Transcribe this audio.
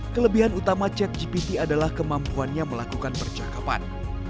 kelebihan utama chatgpt adalah kemampuannya melakukan percakapan